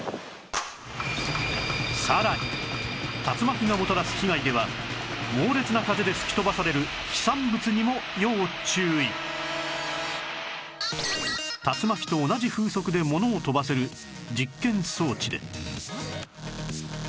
さらに竜巻がもたらす被害では猛烈な風で吹き飛ばされる竜巻と同じ風速でものを飛ばせる実験装置で